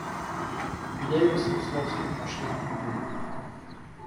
Левин с Весловским пошли в другую.